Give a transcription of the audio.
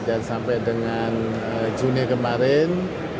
dan sampai dengan juni kemarin